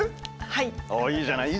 はい。